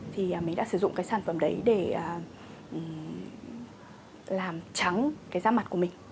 thì mình đã sử dụng cái sản phẩm đấy để làm trắng cái da mặt của mình